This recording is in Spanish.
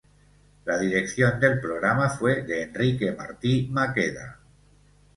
La Dirección del programa fue de Enrique Martí Maqueda.